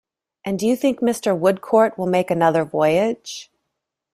And do you think Mr. Woodcourt will make another voyage?